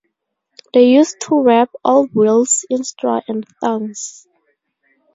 They used to wrap old wheels in straw and thorns.